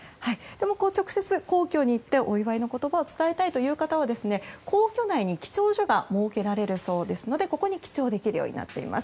直接、皇居に行ってお祝いの言葉を伝えたい方は皇居内に記帳所が設けられるそうですのでここに記帳できるようになっています。